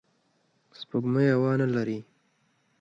سپوږمۍ هوا نه لري